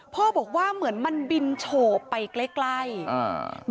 พ่อบอกว่าเหมือนมันบินโฉบไปใกล้ใกล้อ่า